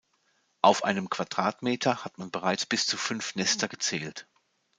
Auf einem Quadratmeter hat man bereits bis zu fünf Nester gezählt.